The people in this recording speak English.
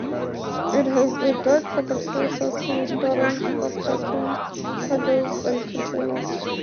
It has a dock for the processing, storage of packaged cargoes and containers.